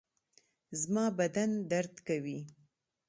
زما بدن درد کوي